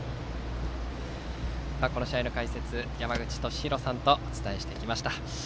この試合の解説、山口敏弘さんとお伝えしてきました。